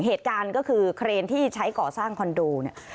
เหตุการณ์ก็คือเครนที่ใช้ก่อสร้างคอนโดเนี่ย